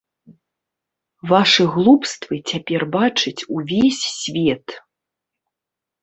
Вашы глупствы цяпер бачыць увесь свет.